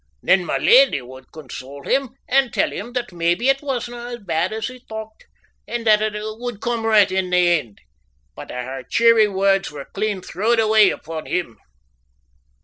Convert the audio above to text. Then my leddy would console him and tell him that maybe it wasna as bad as he thocht, and that a' would come richt in the end but a' her cheery words were clean throwed away upon him.